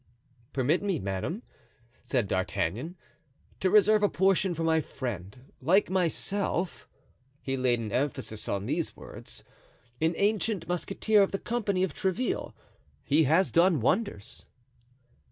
"Permit me, madame," said D'Artagnan, "to reserve a portion for my friend; like myself" (he laid an emphasis on these words) "an ancient musketeer of the company of Tréville; he has done wonders."